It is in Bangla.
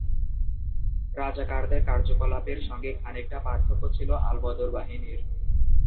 রাজাকারদের কার্যকলাপের সঙ্গে খানিকটা পার্থক্য ছিল আল-বদর বাহিনীর।